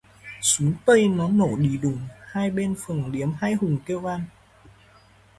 Súng Tây nó nổ đì đùng, hai bên phường điếm hãi hùng kêu van